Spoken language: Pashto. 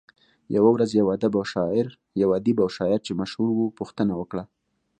يوه ورځ يو ادیب او شاعر چې مشهور وو پوښتنه وکړه.